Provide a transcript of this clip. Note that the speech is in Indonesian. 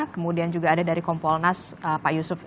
kemudian juga ada dari kompolnas pak yusuf